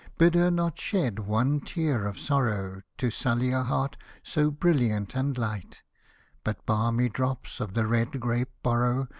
Bid her not shed one tear of sorrow To sully a heart so brilliant and light ; But balmy drops of the red grape borrow.